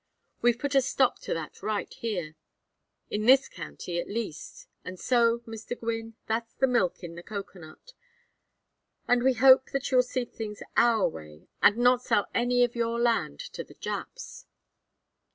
We've put a stop to that right here, in this county at least; and so, Mr. Gwynne, that's the milk in the cocoanut, and we hope that you'll see things our way, and not sell any of your land to the Japs."